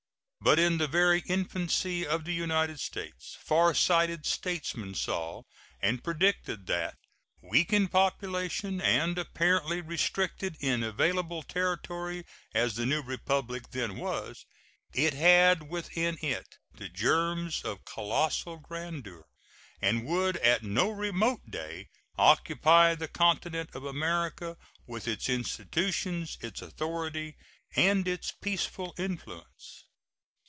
But in the very infancy of the United States far sighted statesmen saw and predicted that, weak in population and apparently restricted in available territory as the new Republic then was, it had within it the germs of colossal grandeur, and would at no remote day occupy the continent of America with its institutions, its authority, and its peaceful influence.